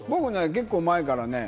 結構前から。